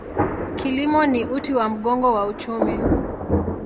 Kilimo ni uti wa mgongo wa uchumi.